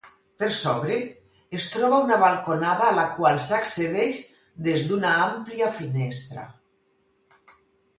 Per sobre, es troba una balconada a la qual s'accedeix des d'una àmplia finestra.